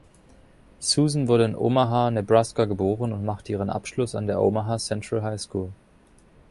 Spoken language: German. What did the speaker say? Susan wurde in Omaha, Nebraska, geboren und machte ihren Abschluss an der Omaha Central High School.